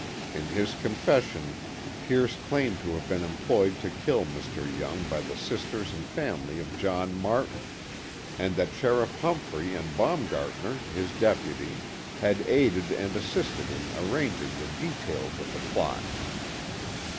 In his confession Pierce claimed to have been employed to kill Mr. Young by the sisters and family of John Martin, and that Sheriff Humphrey and Baumgartner, his deputy, had aided and assisted in arranging the details of the plot.